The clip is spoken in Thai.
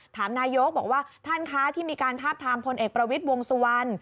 ถามนายกบอกว่าท่านคะที่มีการทาบทามพลเอกประวิทย์วงสุวรรณ